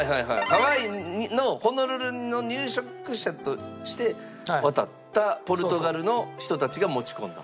ハワイのホノルルの入植者として渡ったポルトガルの人たちが持ち込んだ。